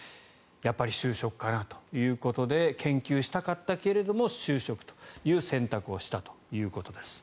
やっぱり就職かなということで研究したかったけれども就職という選択をしたということです。